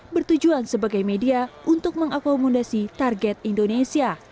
bertujuan sebagai media untuk mengakomodasi target indonesia